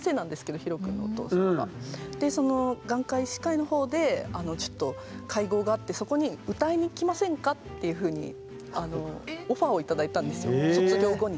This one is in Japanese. その眼科医師会のほうで会合があってそこに「歌いに来ませんか？」っていうふうにオファーを頂いたんですよ卒業後に。